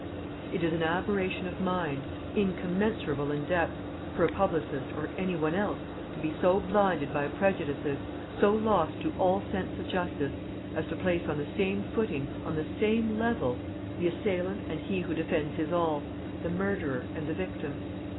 It is an aberration of mind incommensurable in depth for a publicist, or any one else, to be so blinded by prejudices, so lost to all sense of justice, as to place on the same footing, on the same level, the assailant and he who defends his all, the murderer and the victim.